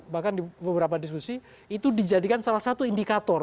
bahkan di beberapa diskusi itu dijadikan salah satu indikator